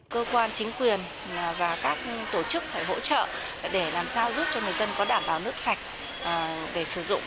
cơ quan chính quyền và các tổ chức phải hỗ trợ để làm sao giúp cho người dân có đảm bảo nước sạch để sử dụng